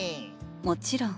もちろん。